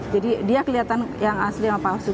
jadi dia kelihatan yang asli sama palsu